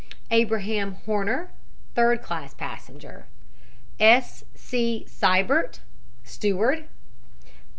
"Abraham Hornner, third class passenger. "S. C. Siebert, steward.